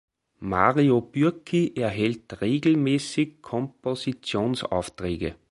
Mario Bürki erhält regelmässig Kompositionsaufträge.